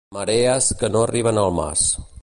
Marees que no arriben al mas.